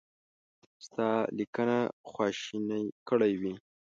ستا لیکنه خواشینی کړی وي.